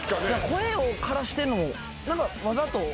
声をからしてるのわざと。